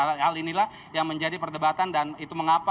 hal inilah yang menjadi perdebatan dan itu mengapa